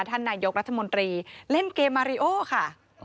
ท่านนายกรัฐมนตรีเล่นเกมมาริโอค่ะ